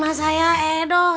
masih lambat dim though